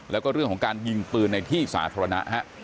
แล้วก็เรื่องของการยิงปืนในที่สาธารณะ